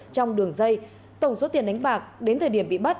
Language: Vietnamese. trong đường dây tổng số tiền đánh bạc đến thời điểm bị bắt